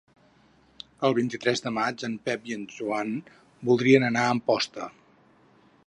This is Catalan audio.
El vint-i-tres de maig en Pep i en Joan voldrien anar a Amposta.